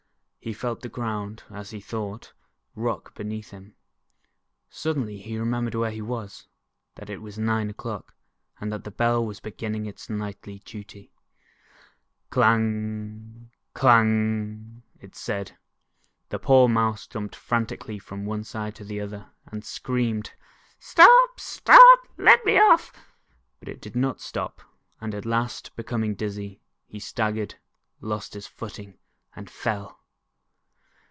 He felt the ground, as he thought, rock beneath him. Suddenly he remem bered where he was, that it was nine o'clock, and that the Bell was beginning its nightly duty ! "Clang, clang," it said. The poor Mouse jumped frantically from one side to the other, and screamed : "Stop, stop, let me get off!" but it did not stop, and, at last, becoming dizzy, he staggered — lost his footing — and fell